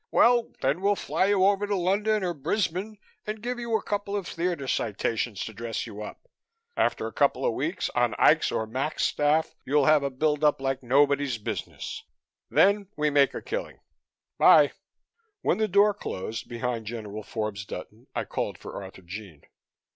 Well, then we'll fly you over to London or Brisbane and give you a couple of theatre citations to dress you up. After a couple of weeks on Ike's or Mac's staff you'll have a build up like nobody's business. Then we make a killing. 'Bye!" When the door closed behind General Forbes Dutton I called for Arthurjean.